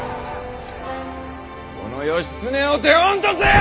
この義経を手本とせよ！